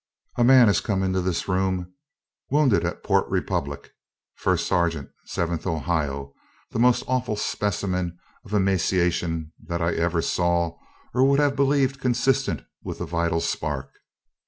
A man has come into this room, wounded at Port Republic, First Sergeant Seventh Ohio, the most awful specimen of emaciation that I ever saw or would have believed consistent with the vital spark.